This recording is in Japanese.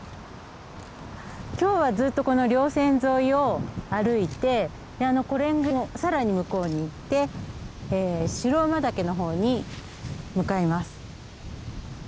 今日はずっとこの稜線沿いを歩いてあの小蓮華更に向こうに行って白馬岳のほうに向かいます。